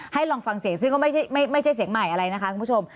ลองฟังเสียงซึ่งก็ไม่ใช่เสียงใหม่อะไรนะคะคุณผู้ชม